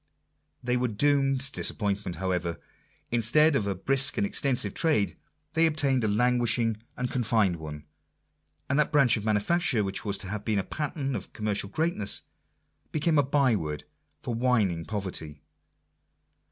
They were doomed to disappointment, however. Instead of a brisk and extensive trade, they obtained a languishing and confined one ; and that branch of manufacture, which was to have been a pattern of commercial greatness, became a by word for whining poverty.